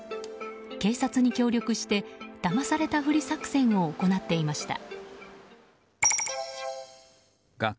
警察に協力してだまされたふり作戦を行っていました。